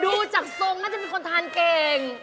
ดูจากทรงน่าจะเป็นคนทานเก่ง